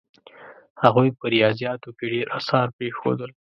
هغوی په ریاضیاتو کې ډېر اثار پرېښودل.